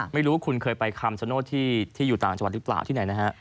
ไม่รู้คุณเคยไปคำชโนธที่อยู่ต่างจังหวัดหรือเปล่าที่ไหนนะฮะ